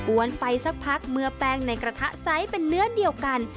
ไปสักพักเมื่อแป้งในกระทะไซส์เป็นเนื้อเดียวกัน